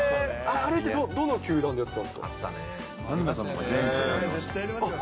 あれってどの球団でやってたんですか。